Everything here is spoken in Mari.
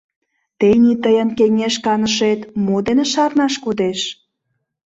— Тений тыйын кеҥеж канышет мо дене шарнаш кодеш?